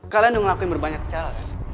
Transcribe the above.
kalian udah ngelakuin berbanyak cara